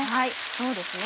そうですね。